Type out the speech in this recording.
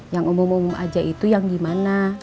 yang umum umum aja itu yang gimana